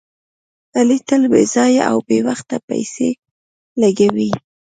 علي تل بې ځایه او بې وخته پیسې لګوي.